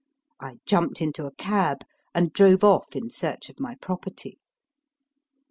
I jumped into a cab, and drove off in search of my property.